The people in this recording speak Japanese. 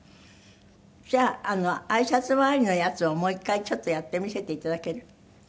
じゃああいさつ回りのやつをもう１回ちょっとやって見せていただける？